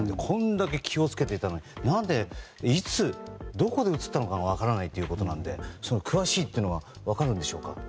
これだけを気を付けていたのになぜ、いつ、どこでうつったのか分からないということなので詳しいことは分かるんでしょうか。